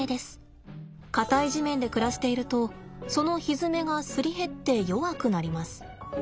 硬い地面で暮らしているとそのひづめがすり減って弱くなります。